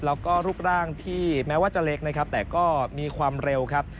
แล้วก็รูปร่างที่แม้ว่าจะเล็กนะครับแต่ก็มีความเร็วครับ